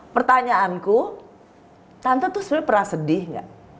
pertanyaanku tante tuh sebenernya pernah sedih ga